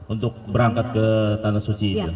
untuk berangkat ke tanah suci